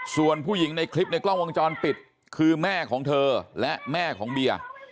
ส่วนผู้หญิงในคลิปในกล้องวงจรปิดคือแม่ของเธอและแม่ของเบียร์